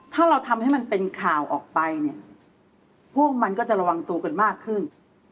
ถ้าเราทำให้มันเป็นข่าวออกไปเนี่ยพวกมันก็จะระวังตัวกันมากขึ้น